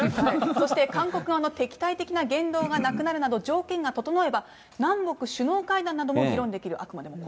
そして韓国側の敵対的な言動がなくなるなど、条件が整えば、南北首脳会談なども議論できる。